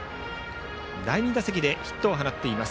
第２打席でヒットを放っています。